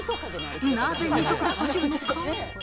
なぜ二足で走るのか？